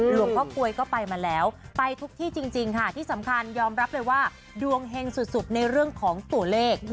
หลวงพ่อกลวยก็ไปมาแล้วไปทุกที่จริงค่ะที่สำคัญยอมรับเลยว่าดวงเฮงสุดในเรื่องของตัวเลข